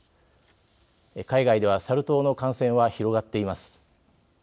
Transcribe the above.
海外ではサル痘の感染は広がっています。